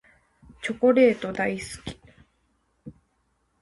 チョコレート大好き。